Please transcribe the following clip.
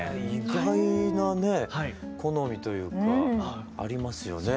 意外なね好みというかありますよね